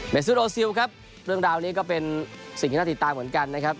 ซื้อโรซิลครับเรื่องราวนี้ก็เป็นสิ่งที่น่าติดตามเหมือนกันนะครับ